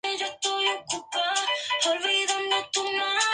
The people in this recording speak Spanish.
Actualmente cuenta con un varias marquesinas que sustituyen al edificio original.